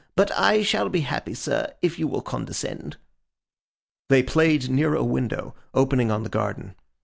But I shall be happy, sir, if you will condescend.' They played near a window, opening on the garden.